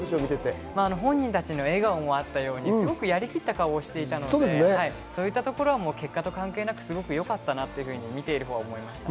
本人達の笑顔もあったように、すごくやりきったような顔していたので、そういったところは、結果と関係なく、すごくよかったなと見ているほうは思いました。